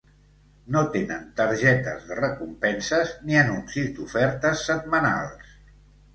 No tenen targetes de recompenses ni anuncis d'ofertes setmanals.